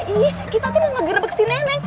iya kita tuh mau ngegerbek si nenek